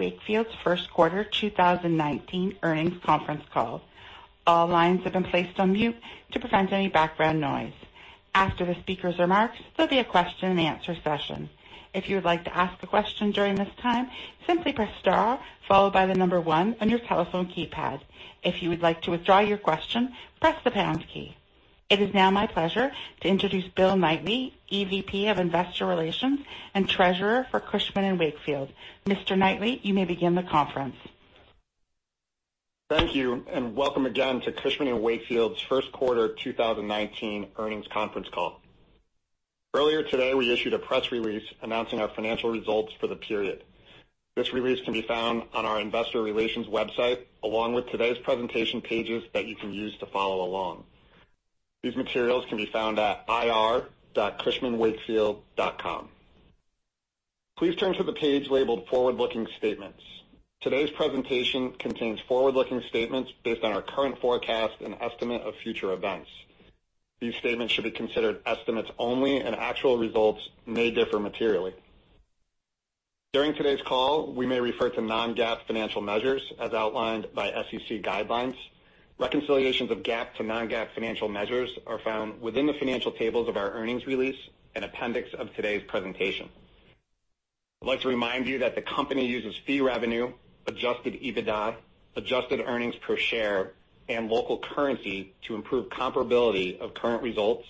Cushman & Wakefield's first quarter 2019 earnings conference call. All lines have been placed on mute to prevent any background noise. After the speakers' remarks, there'll be a question and answer session. If you would like to ask a question during this time, simply press star followed by the number one on your telephone keypad. If you would like to withdraw your question, press the pound key. It is now my pleasure to introduce Bill Knightly, EVP of Investor Relations and Treasurer for Cushman & Wakefield. Mr. Knightly, you may begin the conference. Thank you. Welcome again to Cushman & Wakefield's first quarter 2019 earnings conference call. Earlier today, we issued a press release announcing our financial results for the period. This release can be found on our investor relations website, along with today's presentation pages that you can use to follow along. These materials can be found at ir.cushmanwakefield.com. Please turn to the page labeled Forward-Looking Statements. Today's presentation contains forward-looking statements based on our current forecast and estimate of future events. These statements should be considered estimates only, and actual results may differ materially. During today's call, we may refer to non-GAAP financial measures as outlined by SEC guidelines. Reconciliations of GAAP to non-GAAP financial measures are found within the financial tables of our earnings release and appendix of today's presentation. I'd like to remind you that the company uses fee revenue, adjusted EBITDA, adjusted earnings per share, and local currency to improve comparability of current results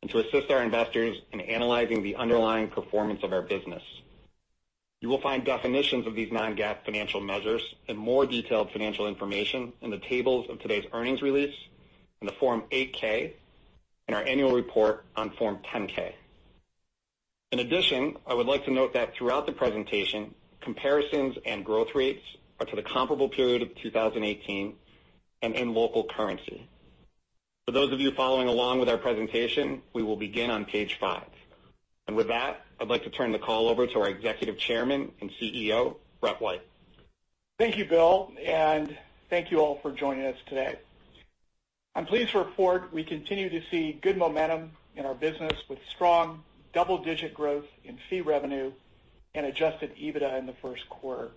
and to assist our investors in analyzing the underlying performance of our business. You will find definitions of these non-GAAP financial measures and more detailed financial information in the tables of today's earnings release, in the Form 8-K, and our annual report on Form 10-K. In addition, I would like to note that throughout the presentation, comparisons and growth rates are to the comparable period of 2018 and in local currency. For those of you following along with our presentation, we will begin on page five. With that, I'd like to turn the call over to our Executive Chairman and CEO, Brett White. Thank you, Bill. Thank you all for joining us today. I'm pleased to report we continue to see good momentum in our business with strong double-digit growth in fee revenue and adjusted EBITDA in the first quarter.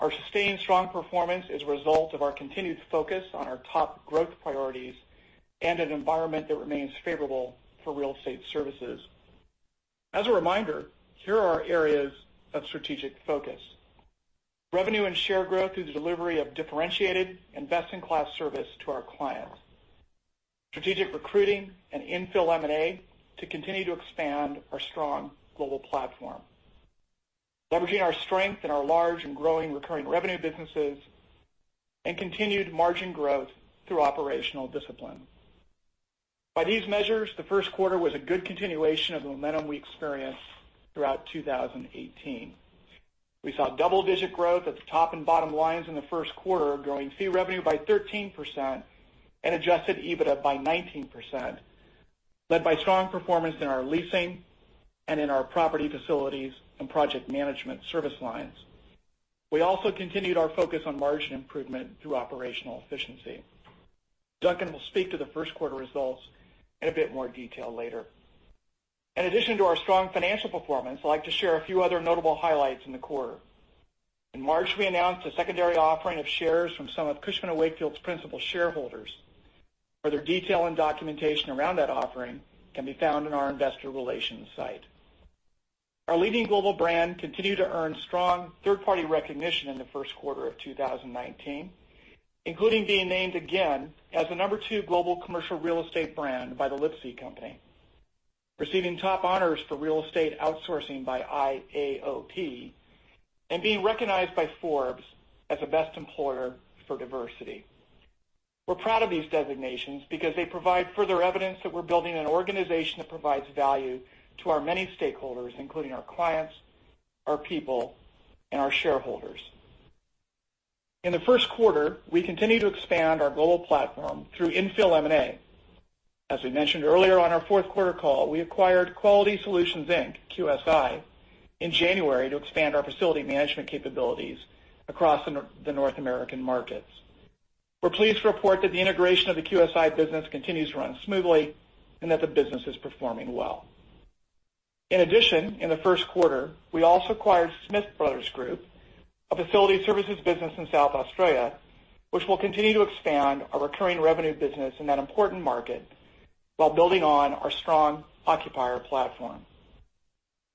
Our sustained strong performance is a result of our continued focus on our top growth priorities and an environment that remains favorable for real estate services. As a reminder, here are our areas of strategic focus. Revenue and share growth through the delivery of differentiated and best-in-class service to our clients. Strategic recruiting and infill M&A to continue to expand our strong global platform. Leveraging our strength in our large and growing recurring revenue businesses, and continued margin growth through operational discipline. By these measures, the first quarter was a good continuation of the momentum we experienced throughout 2018. We saw double-digit growth at the top and bottom lines in the first quarter, growing fee revenue by 13% and adjusted EBITDA by 19%, led by strong performance in our leasing and in our property facilities and project management service lines. We also continued our focus on margin improvement through operational efficiency. Duncan will speak to the first quarter results in a bit more detail later. In addition to our strong financial performance, I'd like to share a few other notable highlights in the quarter. In March, we announced a secondary offering of shares from some of Cushman & Wakefield's principal shareholders. Further detail and documentation around that offering can be found on our investor relations site. Our leading global brand continued to earn strong third-party recognition in the first quarter of 2019, including being named again as the number 2 global commercial real estate brand by The Lipsey Company, receiving top honors for real estate outsourcing by IAOP, and being recognized by Forbes as a best employer for diversity. We're proud of these designations because they provide further evidence that we're building an organization that provides value to our many stakeholders, including our clients, our people, and our shareholders. In the first quarter, we continued to expand our global platform through infill M&A. As we mentioned earlier on our fourth quarter call, we acquired Quality Solutions, Inc., QSI, in January to expand our facility management capabilities across the North American markets. We're pleased to report that the integration of the QSI business continues to run smoothly and that the business is performing well. In addition, in the first quarter, we also acquired Smith Brothers Group, a facility services business in South Australia, which will continue to expand our recurring revenue business in that important market while building on our strong occupier platform.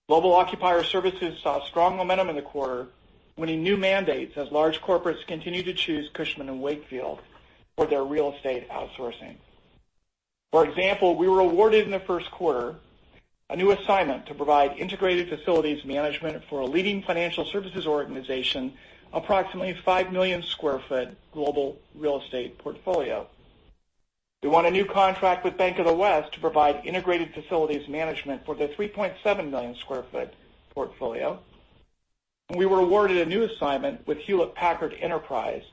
Global Occupier Services saw strong momentum in the quarter, winning new mandates as large corporates continue to choose Cushman & Wakefield for their real estate outsourcing. For example, we were awarded in the first quarter a new assignment to provide integrated facilities management for a leading financial services organization, approximately 5 million sq ft global real estate portfolio. We won a new contract with Bank of the West to provide integrated facilities management for their 3.7 million sq ft portfolio. We were awarded a new assignment with Hewlett Packard Enterprise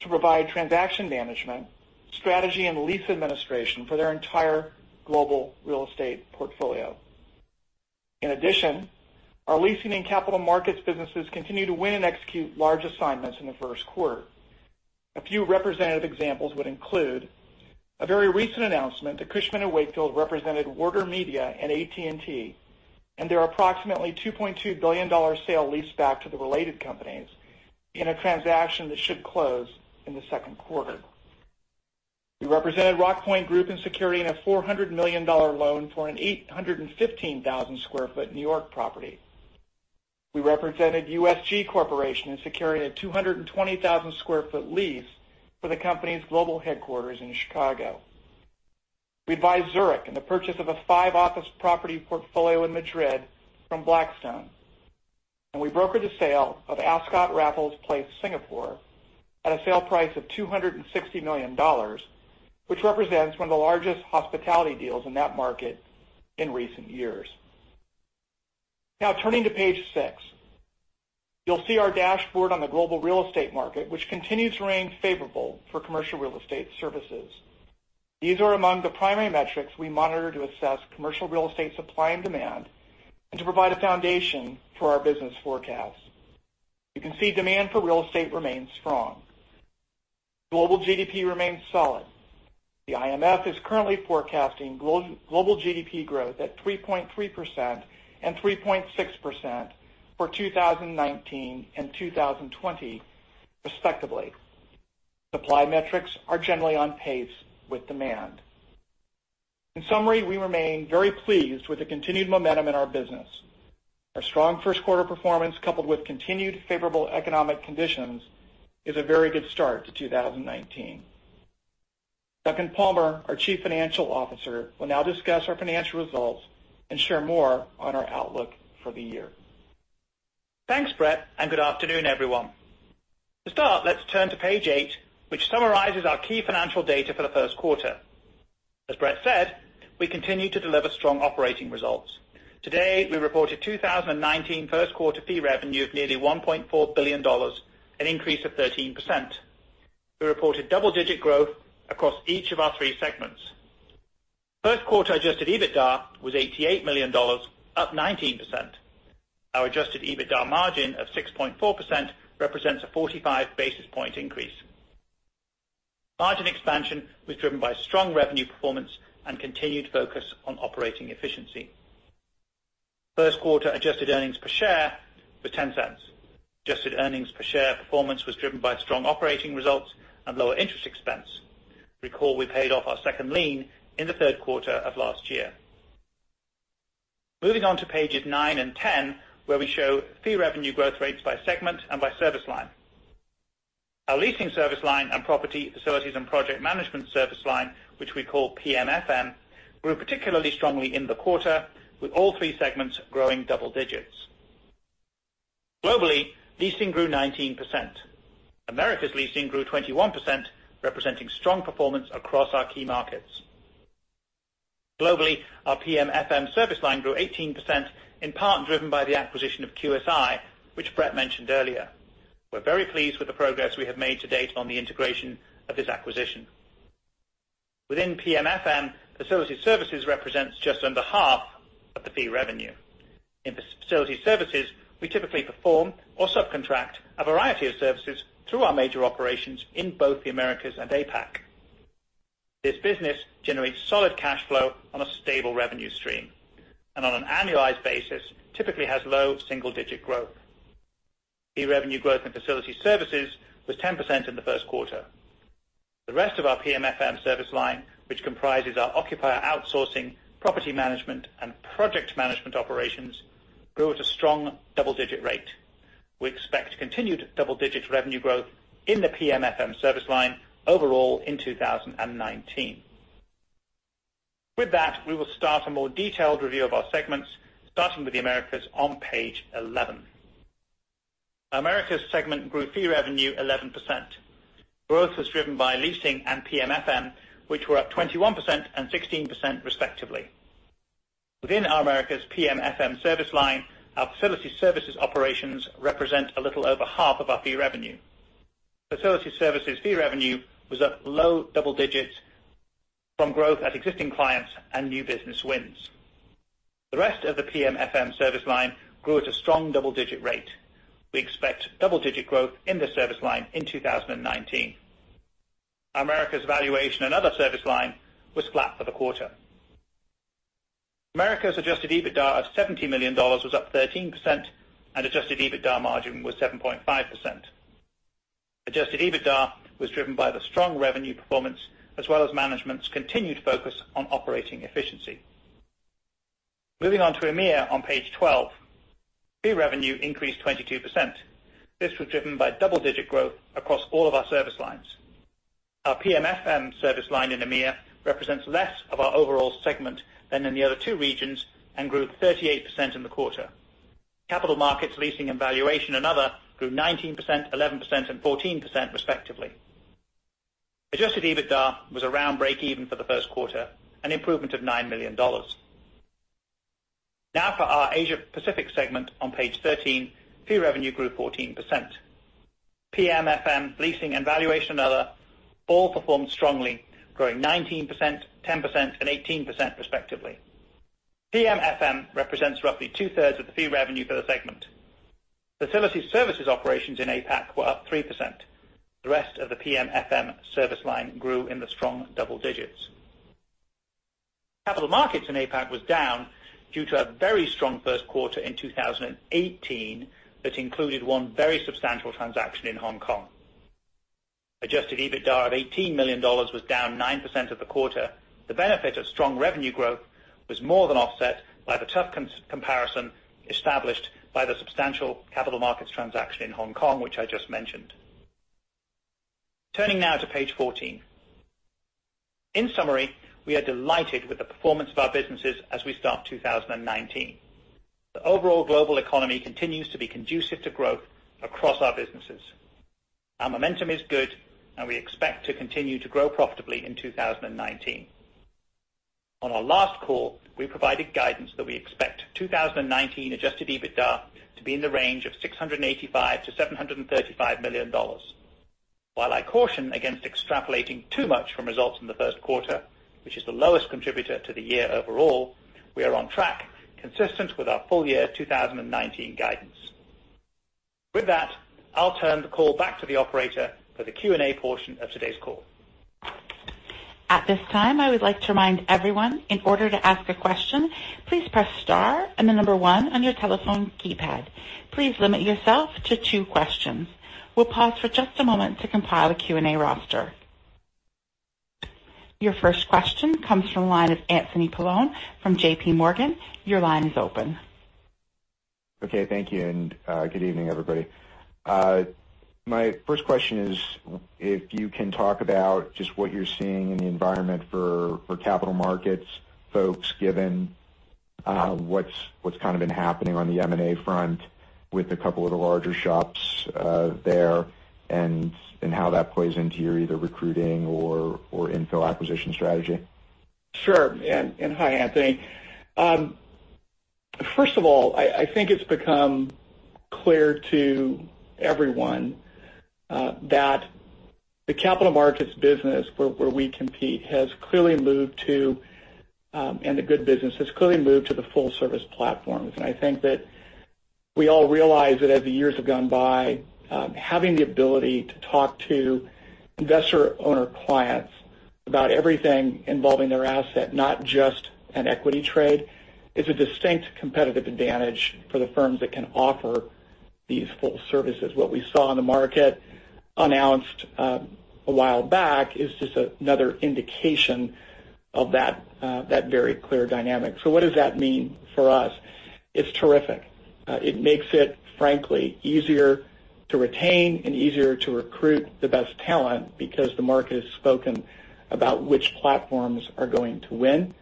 to provide transaction management, strategy, and lease administration for their entire global real estate portfolio. In addition, our leasing and capital markets businesses continued to win and execute large assignments in the first quarter. A few representative examples would include a very recent announcement that Cushman & Wakefield represented WarnerMedia and AT&T, and their approximately $2.2 billion sale-leaseback to the related companies in a transaction that should close in the second quarter. We represented Rockpoint Group in securing a $400 million loan for an 815,000 sq ft New York property. We represented USG Corporation in securing a 220,000 sq ft lease for the company's global headquarters in Chicago. We advised Zurich in the purchase of a 5-office property portfolio in Madrid from Blackstone. We brokered the sale of Ascott Raffles Place Singapore at a sale price of $260 million, which represents one of the largest hospitality deals in that market in recent years. Now turning to page six. You'll see our dashboard on the global real estate market, which continues to remain favorable for commercial real estate services. These are among the primary metrics we monitor to assess commercial real estate supply and demand, and to provide a foundation for our business forecast. You can see demand for real estate remains strong. Global GDP remains solid. The IMF is currently forecasting global GDP growth at 3.3% and 3.6% for 2019 and 2020 respectively. Supply metrics are generally on pace with demand. In summary, we remain very pleased with the continued momentum in our business. Our strong first quarter performance, coupled with continued favorable economic conditions, is a very good start to 2019. Duncan Palmer, our Chief Financial Officer, will now discuss our financial results and share more on our outlook for the year. Thanks, Brett, and good afternoon, everyone. To start, let's turn to page eight, which summarizes our key financial data for the first quarter. As Brett said, we continue to deliver strong operating results. Today, we reported 2019 first quarter fee revenue of nearly $1.4 billion, an increase of 13%. We reported double-digit growth across each of our three segments. First quarter adjusted EBITDA was $88 million, up 19%. Our adjusted EBITDA margin of 6.4% represents a 45 basis point increase. Margin expansion was driven by strong revenue performance and continued focus on operating efficiency. First quarter adjusted earnings per share was $0.10. Adjusted earnings per share performance was driven by strong operating results and lower interest expense. Recall we paid off our second lien in the third quarter of last year. Moving on to pages nine and 10, where we show fee revenue growth rates by segment and by service line. Our leasing service line and property facilities and project management service line, which we call PMFM, grew particularly strongly in the quarter, with all three segments growing double digits. Globally, leasing grew 19%. Americas leasing grew 21%, representing strong performance across our key markets. Globally, our PMFM service line grew 18%, in part driven by the acquisition of QSI, which Brett mentioned earlier. We're very pleased with the progress we have made to date on the integration of this acquisition. Within PMFM, facility services represents just under half of the fee revenue. In facility services, we typically perform or subcontract a variety of services through our major operations in both the Americas and APAC. This business generates solid cash flow on a stable revenue stream, and on an annualized basis, typically has low single-digit growth. Fee revenue growth in facility services was 10% in the first quarter. The rest of our PMFM service line, which comprises our occupier outsourcing, property management, and project management operations, grew at a strong double-digit rate. We expect continued double-digit revenue growth in the PMFM service line overall in 2019. With that, we will start a more detailed review of our segments, starting with the Americas on page 11. Our Americas segment grew fee revenue 11%. Growth was driven by leasing and PMFM, which were up 21% and 16% respectively. Within our Americas PMFM service line, our facility services operations represent a little over half of our fee revenue. Facility services fee revenue was up low double digits from growth at existing clients and new business wins. The rest of the PMFM service line grew at a strong double-digit rate. We expect double-digit growth in this service line in 2019. Americas Valuation & Advisory service line was flat for the quarter. Americas adjusted EBITDA of $70 million was up 13%, and adjusted EBITDA margin was 7.5%. Adjusted EBITDA was driven by the strong revenue performance, as well as management's continued focus on operating efficiency. Moving on to EMEA on page 12. Fee revenue increased 22%. This was driven by double-digit growth across all of our service lines. Our PMFM service line in EMEA represents less of our overall segment than in the other two regions and grew 38% in the quarter. Capital markets leasing and Valuation & Advisory grew 19%, 11%, and 14% respectively. Adjusted EBITDA was around breakeven for the first quarter, an improvement of $9 million. Now for our Asia Pacific segment on page 13. Fee revenue grew 14%. PMFM, leasing, and Valuation & Advisory all performed strongly, growing 19%, 10%, and 18% respectively. PMFM represents roughly two-thirds of the fee revenue for the segment. Facility services operations in APAC were up 3%. The rest of the PMFM service line grew in the strong double digits. Capital markets in APAC was down due to a very strong first quarter in 2018 that included one very substantial transaction in Hong Kong. Adjusted EBITDA of $18 million was down 9% of the quarter. The benefit of strong revenue growth was more than offset by the tough comparison established by the substantial capital markets transaction in Hong Kong, which I just mentioned. Turning now to page 14. In summary, we are delighted with the performance of our businesses as we start 2019. The overall global economy continues to be conducive to growth across our businesses. Our momentum is good. We expect to continue to grow profitably in 2019. On our last call, we provided guidance that we expect 2019 adjusted EBITDA to be in the range of $685 million-$735 million. While I caution against extrapolating too much from results in the first quarter, which is the lowest contributor to the year overall, we are on track, consistent with our full year 2019 guidance. With that, I'll turn the call back to the operator for the Q&A portion of today's call. At this time, I would like to remind everyone, in order to ask a question, please press star and the number 1 on your telephone keypad. Please limit yourself to two questions. We'll pause for just a moment to compile a Q&A roster. Your first question comes from the line of Anthony Paolone from J.P. Morgan. Your line is open. Okay. Thank you. Good evening, everybody. My first question is, if you can talk about just what you're seeing in the environment for capital markets folks, given what's kind of been happening on the M&A front with a couple of the larger shops there, and how that plays into your either recruiting or infill acquisition strategy. Sure. Hi, Anthony. First of all, I think it's become clear to everyone that the capital markets business where we compete has clearly moved to, and the good business has clearly moved to the full service platforms. I think that we all realize that as the years have gone by, having the ability to talk to investor owner clients about everything involving their asset, not just an equity trade, is a distinct competitive advantage for the firms that can offer these full services. What we saw in the market announced a while back is just another indication of that very clear dynamic. What does that mean for us? It's terrific. It makes it frankly easier to retain and easier to recruit the best talent because the market has spoken about which platforms are going to win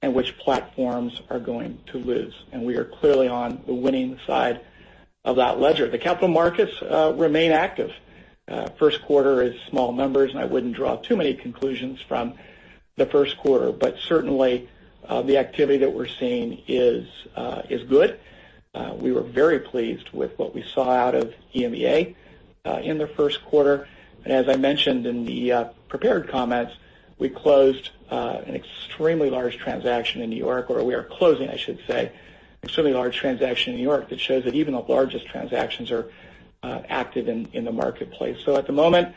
and which platforms are going to lose, and we are clearly on the winning side of that ledger. The capital markets remain active. First quarter is small numbers, and I wouldn't draw too many conclusions from the first quarter, but certainly the activity that we're seeing is good. We were very pleased with what we saw out of EMEA in the first quarter. As I mentioned in the prepared comments, we closed an extremely large transaction in New York, or we are closing, I should say, an extremely large transaction in New York that shows that even the largest transactions are active in the marketplace. At the moment,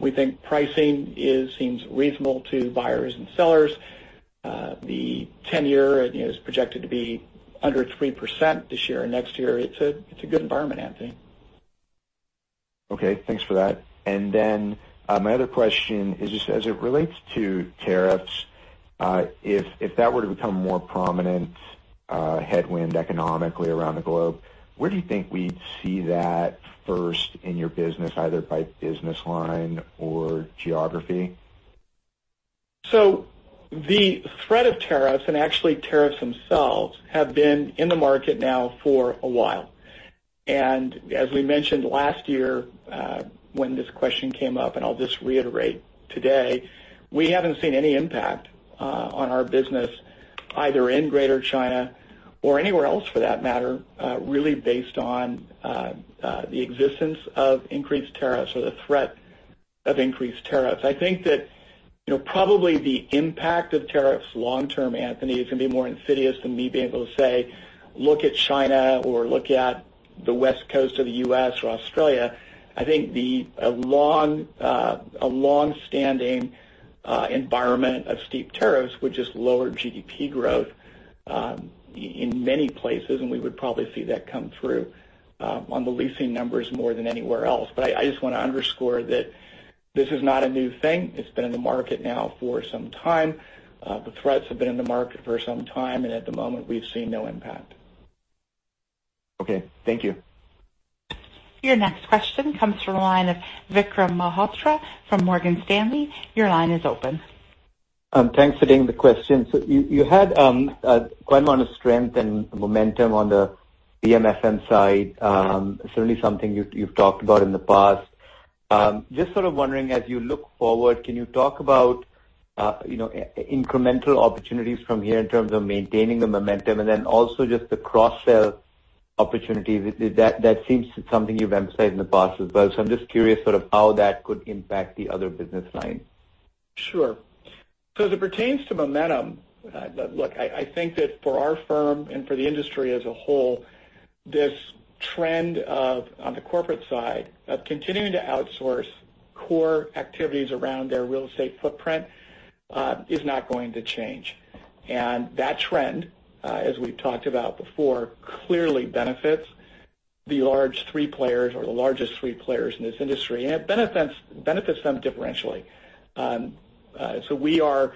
we think pricing seems reasonable to buyers and sellers. The tenure is projected to be under 3% this year and next year. It's a good environment, Anthony. Okay, thanks for that. My other question is just as it relates to tariffs, if that were to become a more prominent headwind economically around the globe, where do you think we'd see that first in your business, either by business line or geography? The threat of tariffs, and actually tariffs themselves, have been in the market now for a while. As we mentioned last year when this question came up, I'll just reiterate today, we haven't seen any impact on our business either in Greater China or anywhere else for that matter, really based on the existence of increased tariffs or the threat of increased tariffs. I think that probably the impact of tariffs long term, Anthony, is going to be more insidious than me being able to say, look at China or look at the West Coast of the U.S. or Australia. I think a long-standing environment of steep tariffs would just lower GDP growth in many places, and we would probably see that come through on the leasing numbers more than anywhere else. I just want to underscore that this is not a new thing. It's been in the market now for some time. The threats have been in the market for some time, at the moment, we've seen no impact. Okay. Thank you. Your next question comes from the line of Vikram Malhotra from Morgan Stanley. Your line is open. Thanks for taking the question. You had quite amount of strength and momentum on the PMFM side. Certainly something you've talked about in the past. Just sort of wondering, as you look forward, can you talk about incremental opportunities from here in terms of maintaining the momentum and also just the cross-sell opportunities. That seems something you've emphasized in the past as well. I'm just curious sort of how that could impact the other business lines. Sure. As it pertains to momentum, look, I think that for our firm and for the industry as a whole, this trend of, on the corporate side, of continuing to outsource core activities around their real estate footprint, is not going to change. That trend, as we've talked about before, clearly benefits the large three players, or the largest three players in this industry, and it benefits them differentially. We are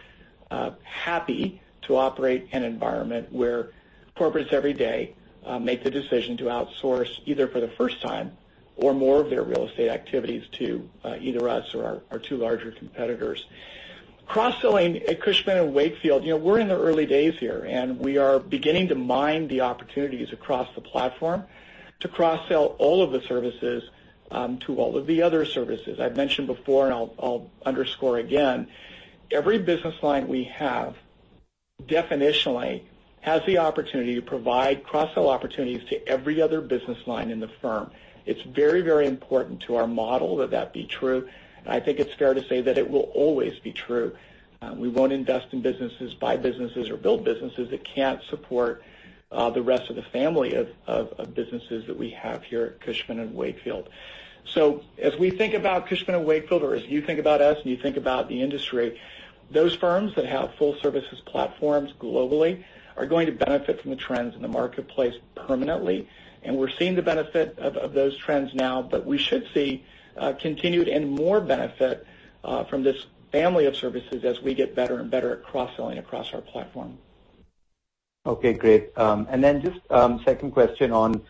happy to operate in an environment where corporates every day make the decision to outsource, either for the first time or more of their real estate activities to either us or our two larger competitors. Cross-selling at Cushman & Wakefield, we're in the early days here, and we are beginning to mine the opportunities across the platform to cross-sell all of the services to all of the other services. I've mentioned before, I'll underscore again, every business line we have definitionally has the opportunity to provide cross-sell opportunities to every other business line in the firm. It's very important to our model that that be true, I think it's fair to say that it will always be true. We won't invest in businesses, buy businesses, or build businesses that can't support the rest of the family of businesses that we have here at Cushman & Wakefield. As we think about Cushman & Wakefield, or as you think about us and you think about the industry, those firms that have full services platforms globally are going to benefit from the trends in the marketplace permanently. We're seeing the benefit of those trends now, but we should see continued and more benefit from this family of services as we get better and better at cross-selling across our platform. Okay, great. Just second question on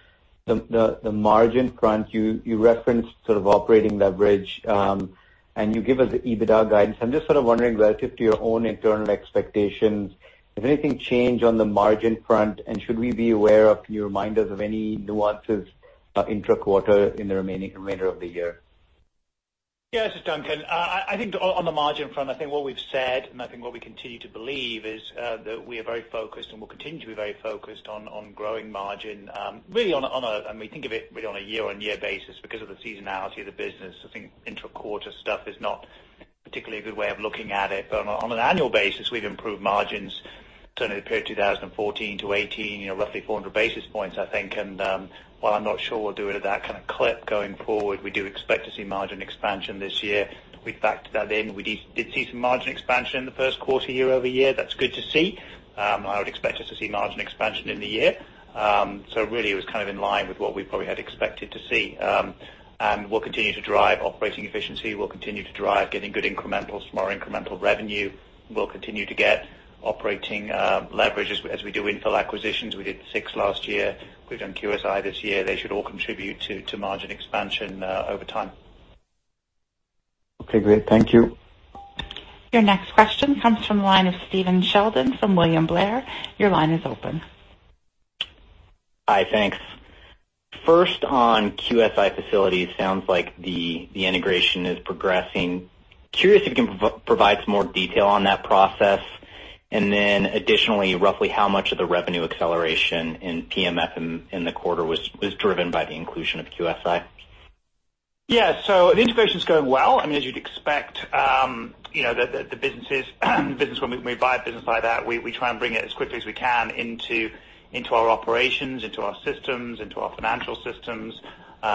the margin front. You referenced sort of operating leverage, and you give us the EBITDA guidance. I'm just sort of wondering, relative to your own internal expectations, has anything changed on the margin front? Should we be aware of, can you remind us of any nuances intra-quarter in the remainder of the year? Yes, this is Duncan. I think on the margin front, I think what we've said, and I think what we continue to believe, is that we are very focused and will continue to be very focused on growing margin. Really, and we think of it really on a year-on-year basis because of the seasonality of the business. I think intra-quarter stuff is not particularly a good way of looking at it. On an annual basis, we've improved margins during the period 2014-2018, roughly 400 basis points, I think. While I'm not sure we'll do it at that kind of clip going forward, we do expect to see margin expansion this year. We've factored that in. We did see some margin expansion in the first quarter year-over-year. That's good to see. I would expect us to see margin expansion in the year. Really, it was kind of in line with what we probably had expected to see. We'll continue to drive operating efficiency. We'll continue to drive getting good incrementals from our incremental revenue. We'll continue to get operating leverage as we do infill acquisitions. We did six last year. We've done QSI this year. They should all contribute to margin expansion over time. Okay, great. Thank you. Your next question comes from the line of Stephen Sheldon from William Blair. Your line is open. Hi, thanks. First, on QSI Facilities, sounds like the integration is progressing. Curious if you can provide some more detail on that process. Additionally, roughly how much of the revenue acceleration in PMFM in the quarter was driven by the inclusion of QSI? Yeah. The integration's going well. I mean, as you'd expect, when we buy a business like that, we try and bring it as quickly as we can into our operations, into our systems, into our financial systems.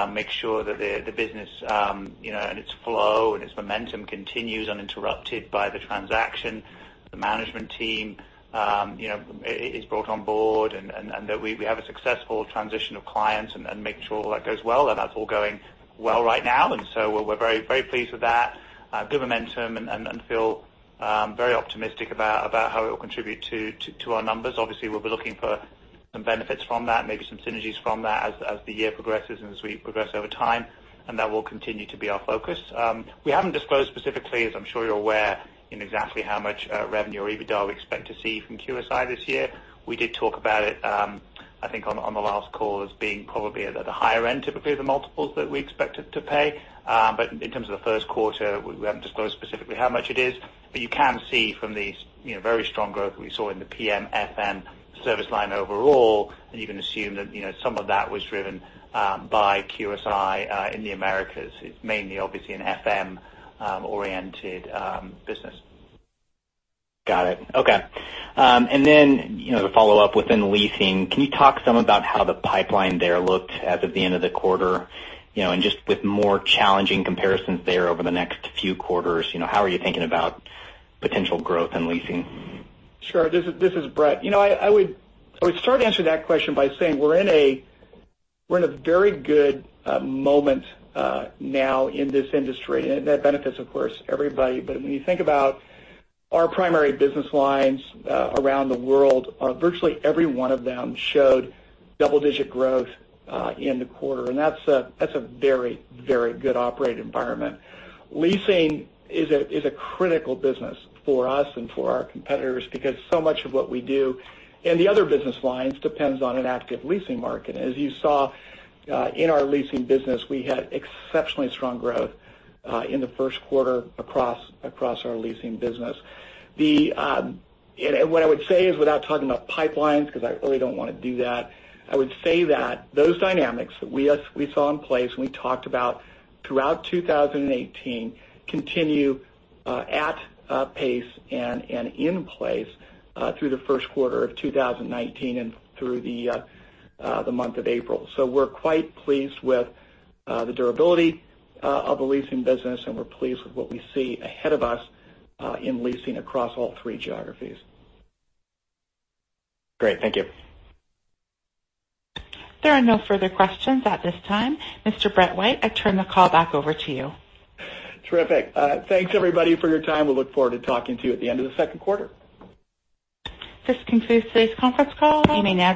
Make sure that the business and its flow and its momentum continues uninterrupted by the transaction. The management team is brought on board, and that we have a successful transition of clients and make sure all that goes well. That's all going well right now. We're very pleased with that. Good momentum and feel very optimistic about how it will contribute to our numbers. Obviously, we'll be looking for some benefits from that, maybe some synergies from that as the year progresses and as we progress over time. That will continue to be our focus. We haven't disclosed specifically, as I'm sure you're aware, exactly how much revenue or EBITDA we expect to see from QSI this year. We did talk about it, I think, on the last call as being probably at the higher end, typically, of the multiples that we expected to pay. In terms of the first quarter, we haven't disclosed specifically how much it is. You can see from the very strong growth that we saw in the PMFM service line overall, you can assume that some of that was driven by QSI in the Americas. It's mainly obviously an FM-oriented business. Got it. Okay. To follow up within leasing, can you talk some about how the pipeline there looked as of the end of the quarter? Just with more challenging comparisons there over the next few quarters, how are you thinking about potential growth in leasing? Sure. This is Brett. I would start to answer that question by saying we're in a very good moment now in this industry, that benefits, of course, everybody. When you think about our primary business lines around the world, virtually every one of them showed double-digit growth in the quarter, that's a very good operating environment. Leasing is a critical business for us and for our competitors because so much of what we do in the other business lines depends on an active leasing market. As you saw in our leasing business, we had exceptionally strong growth in the first quarter across our leasing business. What I would say is, without talking about pipelines, because I really don't want to do that, I would say that those dynamics that we saw in place we talked about throughout 2018 continue at pace and in place through the first quarter of 2019 and through the month of April. We're quite pleased with the durability of the leasing business, we're pleased with what we see ahead of us in leasing across all three geographies. Great. Thank you. There are no further questions at this time. Mr. Brett White, I turn the call back over to you. Terrific. Thanks everybody for your time. We look forward to talking to you at the end of the second quarter. This concludes today's conference call. You may now disconnect.